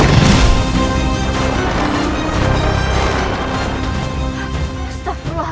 kau mau kemana